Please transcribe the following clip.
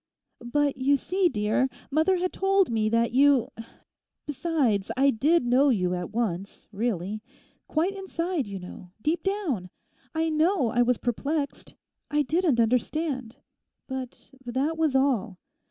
'But you see, dear, mother had told me that you—besides, I did know you at once, really; quite inside, you know, deep down. I know I was perplexed; I didn't understand; but that was all.